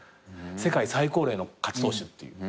世界最高齢の勝ち投手っていう。